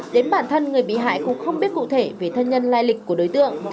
đến bản thân người bị hại cũng không biết cụ thể về thân nhân lai lịch của đối tượng